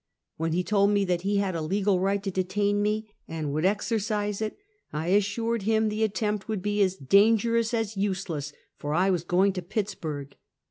"When he told me that he had a legal right to detain me, and would exercise it, 1 assured him the at tempt would be as dangerous as useless, for I was go ing to Pittsburg.